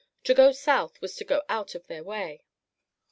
To go south was to go out of their way.